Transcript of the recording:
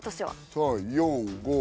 ３・４・５。